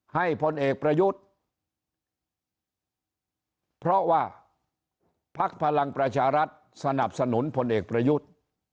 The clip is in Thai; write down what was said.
พลเอกประยุทธ์เพราะว่าพักพลังประชารัฐสนับสนุนพลเอกประยุทธ์